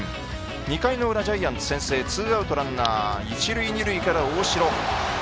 ２回の裏、ジャイアンツ先制ツーアウトランナー一塁二塁から大城。